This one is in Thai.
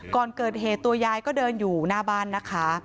ก่อนเกิดเหตุตัวยายก็เดินอยู่หน้าบ้านนะคะ